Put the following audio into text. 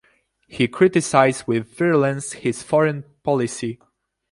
He criticized with virulence his foreign policy.